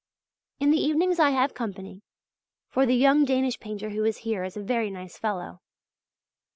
In the evenings I have company; for the young Danish painter who is here is a very nice fellow.